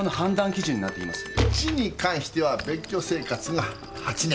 ①に関しては別居生活が８年。